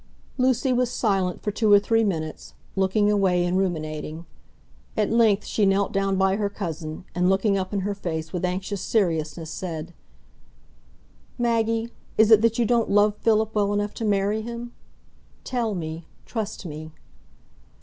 Lucy was silent for two or three minutes, looking away and ruminating. At length she knelt down by her cousin, and looking up in her face with anxious seriousness, said,— "Maggie, is it that you don't love Philip well enough to marry him? Tell me—trust me."